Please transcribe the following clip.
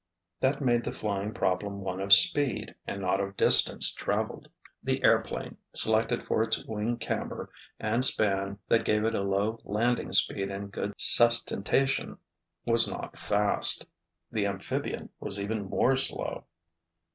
That made the flying problem one of speed and not of distance traveled. The airplane, selected for its wing camber and span that gave it a low landing speed and good sustentation, was not fast. The amphibian was even more slow.